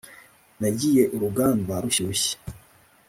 nagiye urugamba rushyushye